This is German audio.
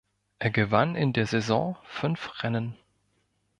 Er gewann in der Saison fünf Rennen.